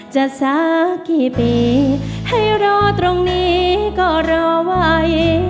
สักกี่ปีให้รอตรงนี้ก็รอไว้